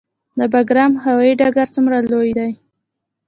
د بګرام هوايي ډګر څومره لوی دی؟